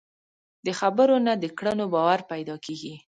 د خبرو نه، د کړنو باور پیدا کېږي.